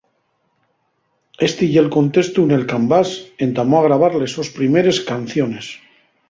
Esti ye'l contestu nel qu'Ambás entamó a grabar les sos primeres canciones.